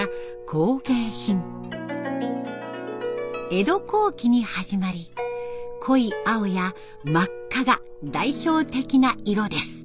江戸後期に始まり濃い青や真っ赤が代表的な色です。